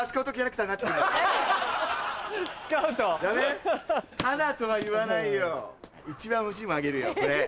タダとは言わないよ一番欲しいものあげるよこれ。